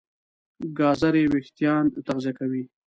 ګازرې وېښتيان تغذیه کوي.